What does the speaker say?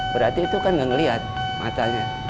berarti itu kan ngelihat matanya